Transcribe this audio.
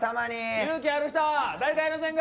勇気ある人いませんか？